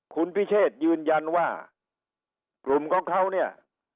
คุณพิเชษยืนยันว่ากลุ่มของเขาเนี่ย